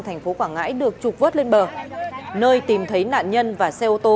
thành phố quảng ngãi được trục vớt lên bờ nơi tìm thấy nạn nhân và xe ô tô